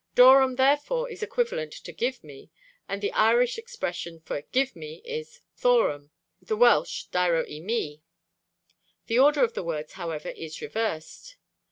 Dorum therefore is equivalent to "give me," and the Irish expression for "give me" is thorum; the Welsh dyro i mi. The order of the words, however, is reversed.